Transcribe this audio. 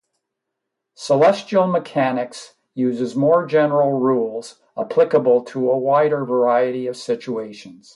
Celestial mechanics uses more general rules applicable to a wider variety of situations.